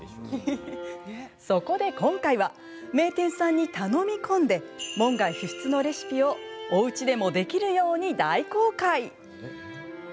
そこで今回は名店さんに頼み込んで門外不出のレシピをおうちでもできるように大公開。